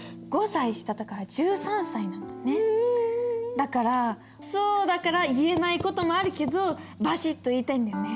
だからそうだから言えない事もあるけどバシッと言いたいんだよね。